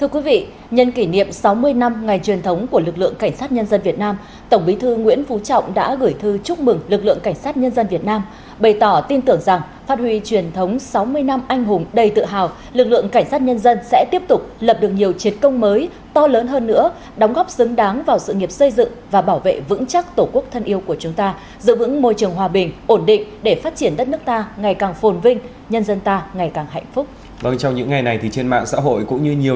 các bạn hãy đăng ký kênh để ủng hộ kênh của chúng mình nhé